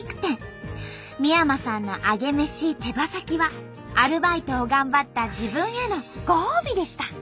三山さんのアゲメシ手羽先はアルバイトを頑張った自分へのご褒美でした。